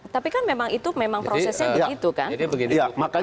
tapi kan memang itu memang prosesnya begitu kan